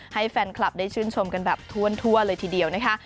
ให้แฟนคลับได้ชื่นชมกันแบบทั่วเลยทีเดียวนะคะ